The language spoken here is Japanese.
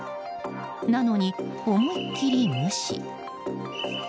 なのに、思いっきり無視。